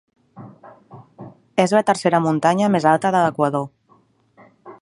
És la tercera muntanya més alta de l'Equador.